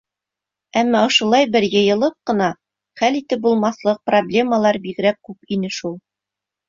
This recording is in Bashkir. Әммә ошолай бер йыйылып ҡына хәл итеп булмаҫлыҡ проблемалар бигерәк күп ине шул.